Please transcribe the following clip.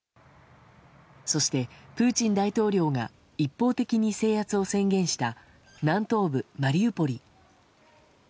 そして、プーチン大統領が一方的に制圧を宣言した南東部マリウポリ。